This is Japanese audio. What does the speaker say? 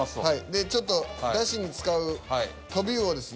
でちょっとだしに使うトビウオですね。